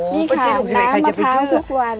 นี่ค่ะน้ำมะพร้าวทุกวัน